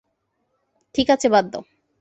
ঠিক আছে, বাদ দাও।